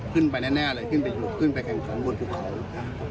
ขึ้นไปแน่เลยขึ้นไปอยู่ขึ้นไปแข่งขังบนภูเขา